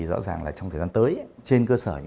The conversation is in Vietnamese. của đảng nhất đối quan